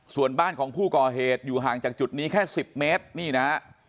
ส่วนบ้านของผู้ก่อเหตุอยู่ห่างจากจุดนี้แค่๑๐เมตรนี่นะฮะ